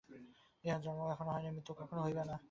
ইহার জন্ম কখনও হয় নাই, মৃত্যুও কখনও হইবে না।